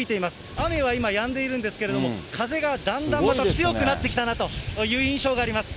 雨は今やんでいるんですけれども、風がだんだんまた強くなってきたなという印象があります。